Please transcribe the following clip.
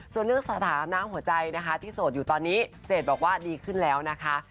ส่วนเรื่องสถานะหัวใจนะคะที่โสดอยู่ตอนนี้เจดบอกว่าดีขึ้นแล้วนะคะ